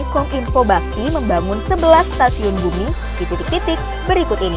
kong info bakti membangun sebelas stasiun bumi di titik titik berikut ini